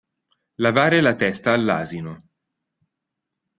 Lavare la testa all'asino.